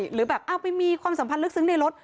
หรือแบบเอ้าไม่มีความสัมพันธ์เลขสึ้นในรถ